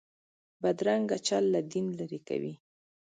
بدرنګه چل له دین لرې کوي